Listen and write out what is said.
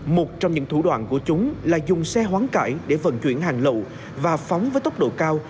một trong những thủ đoạn của chúng là dùng xe hoán cải để vận chuyển hàng lậu và phóng với tốc độ cao